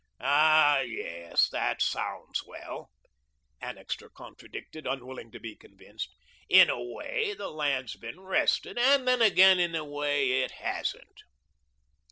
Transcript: "Ah, yes, that sounds well," Annixter contradicted, unwilling to be convinced. "In a way, the land's been rested, and then, again, in a way, it hasn't."